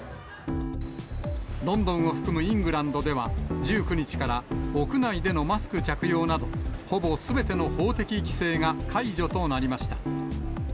ロンドンを含むイングランドでは、１９日から屋内でのマスク着用など、ほぼすべての法的規制が解除となりました。